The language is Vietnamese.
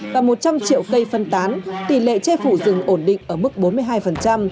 và một trăm linh triệu cây phân tán tỷ lệ che phủ rừng ổn định ở mức bốn mươi hai